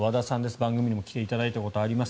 番組にも来ていただいたことあります